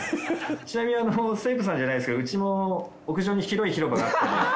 ちなみに西武さんじゃないですけどうちも屋上に広い広場があって。